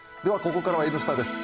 ここからは「Ｎスタ」です。